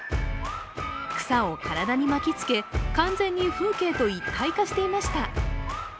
草を体に巻きつけ、完全に風景と一体化していました。